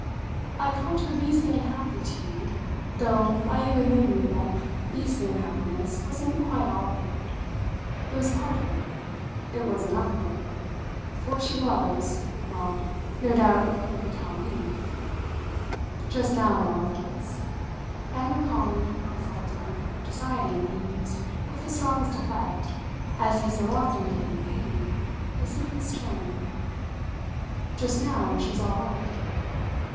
"I called her beastly unhappy to you though I even then knew that beastly unhappiness wasn't quite all of it. It was part of it, it was enough of it; for she was well, no doubt you could tell me. Just now, at all events" and recalling, reflecting, deciding, he used, with the strongest effect, as he so often did in painting, the simplest term "just now she's all right."